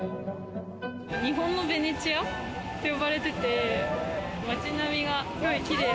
日本のベネチアって呼ばれてて、街並みが、すごいキレイ。